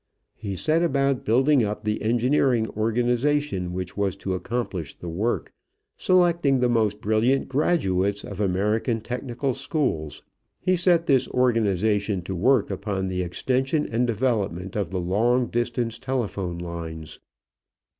He set about building up the engineering organization which was to accomplish the work, selecting the most brilliant graduates of American technical schools. He set this organization to work upon the extension and development of the long distance telephone lines.